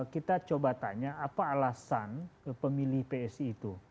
kita coba tanya apa alasan pemilih psi itu